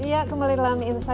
iya kembali dalam insight